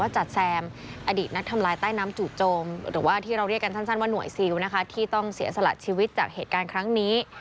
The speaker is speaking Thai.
เจ้าหน้าที่ที่ต้องเสียสละชีวิตจากเหตุการณ์ครั้งนี้